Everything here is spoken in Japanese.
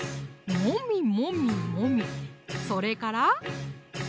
もみもみもみそれから？